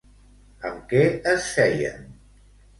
Amb què es feien?